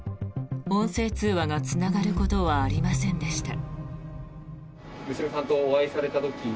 音声通話がつながることはありませんでした。